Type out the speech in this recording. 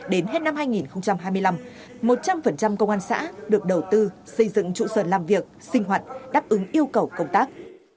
đến hết năm hai nghìn hai mươi năm một trăm linh công an xã được đầu tư xây dựng trụ sở làm việc sinh hoạt đáp ứng yêu cầu công tác